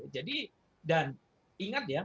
jadi dan ingat ya